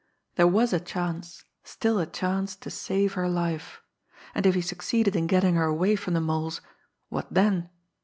There was a chance, still a chance to save her life. And if he succeeded in getting her away from the Mole's what then!